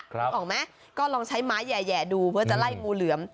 นึกออกไหมก็ลองใช้ไม้แหย่ดูเพื่อจะไล่งูเหลือม